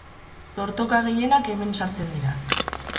Dortoka gehienak hemen sartzen dira.